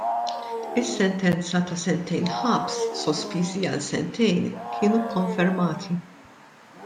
Is-sentenza ta' sentejn ħabs sospiżi għal sentejn kienu kkonfermati.